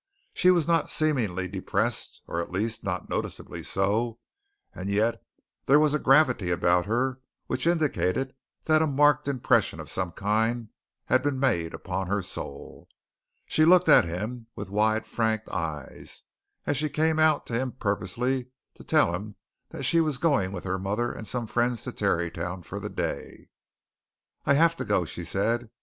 She was not seemingly depressed, or at least, not noticeably so, and yet there was a gravity about her which indicated that a marked impression of some kind had been made upon her soul. She looked at him with wide frank eyes as she came out to him purposely to tell him that she was going with her mother and some friends to Tarrytown for the day. "I have to go," she said.